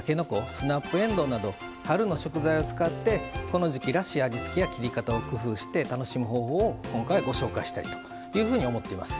スナップえんどうなど春の食材を使ってこの時季らしい味付けや切り方を工夫して楽しむ方法を今回はご紹介したいというふうに思っています。